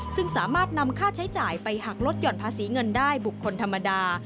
ซึ่งสามารถนำค่าใช้จ่ายไปหักลดหย่อนภาษีเงินได้บุคคลธรรมดา